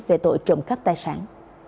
về tội trộm cắp tài sản